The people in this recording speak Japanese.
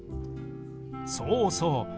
そうそう。